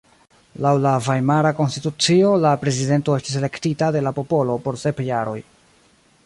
Laŭ la Vajmara Konstitucio la prezidento estis elektita de la popolo por sep jaroj.